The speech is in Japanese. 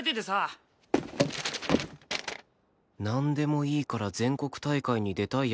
「何でもいいから全国大会に出たい奴は水球部まで！」